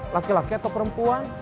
laki laki atau perempuan